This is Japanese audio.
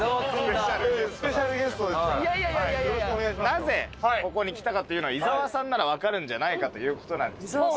なぜここに来たかというのは伊沢さんなら分かるんじゃないかということなんですよ